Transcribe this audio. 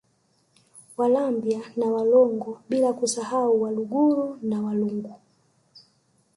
Walambya na Walongo bila kusahau Waluguru na Walungu